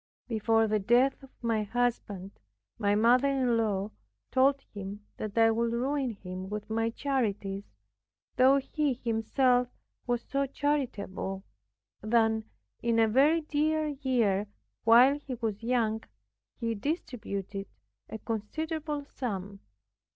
Before the death of my husband, my mother in law told him that I would ruin him with my charities, though he himself was so charitable, that in a very dear year, while he was young, he distributed a considerable sum.